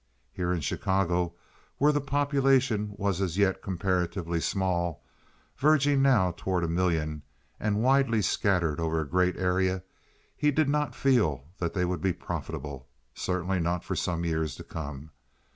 Here in Chicago, where the population was as yet comparatively small—verging now toward a million, and widely scattered over a great area—he did not feel that they would be profitable—certainly not for some years to come.